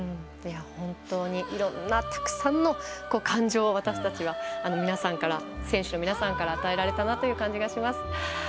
本当にいろんなたくさんの感情を私たちは選手皆さんから与えられたなという感じがします。